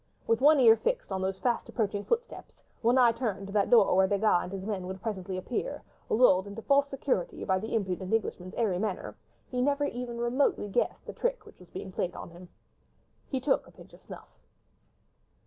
With one ear fixed on those fast approaching footsteps, one eye turned to that door where Desgas and his men would presently appear, lulled into false security by the impudent Englishman's airy manner, he never even remotely guessed the trick which was being played upon him. He took a pinch of snuff.